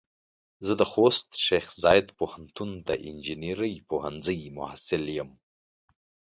زه د خوست شیخ زايد پوهنتون د انجنیري پوهنځۍ محصل يم.